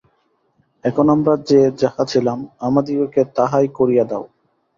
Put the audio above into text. এখন আমরা যে যাহা ছিলাম আমাদিগকে তাহাই করিয়া দাও।